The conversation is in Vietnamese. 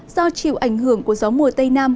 do chiều ảnh hưởng của gió mùa tây nam